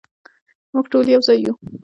مونږ ټول یو ځای یو